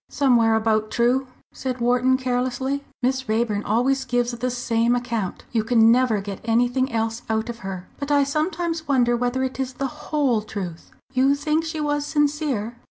"Somewhere about true," said Wharton, carelessly. "Miss Raeburn always gives the same account; you can never get anything else out of her. But I sometimes wonder whether it is the whole truth. You think she was sincere?"